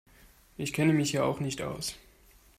Ich kenne mich hier auch nicht aus.